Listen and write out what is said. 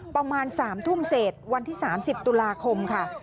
ประมาณ๓ทุ่มเศษวันที่๓๐ตุลาคมค่ะ